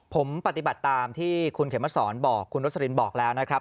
ผมปฏิบัติตามที่คุณเขมสอนบอกคุณโรสลินบอกแล้วนะครับ